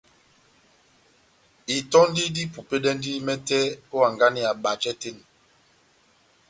Itɔndi dipupedɛndi mɛtɛ ó hanganɛ ya bajɛ tɛ́h eni.